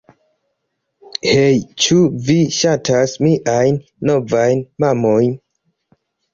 Hej, ĉu vi ŝatas miajn novajn mamojn?